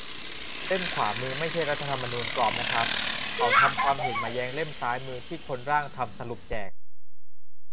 เล่มขวามือไม่ใช่รัฐธรรมนูญปลอมนะครับ เขาทำความเห็นมาแย้งเล่มซ้ายมือที่คนร่างทำสรุปแจก